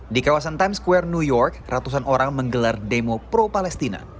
di kawasan times square new york ratusan orang menggelar demo pro palestina